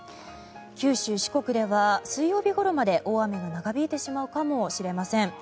九州、四国では水曜日ごろまで大雨が長引いてしまうかもしれません。